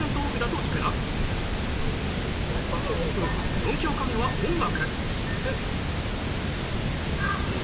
４教科目は音楽。